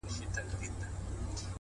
زه په دې خپل سركــي اوبـــه څـــښـمــه’